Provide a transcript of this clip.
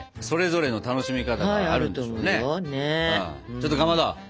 ちょっとかまど。